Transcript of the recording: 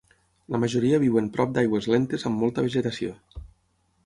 La majoria viuen prop d'aigües lentes amb molta vegetació.